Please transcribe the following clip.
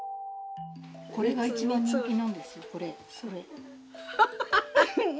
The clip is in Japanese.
これが一番人気なんですよ。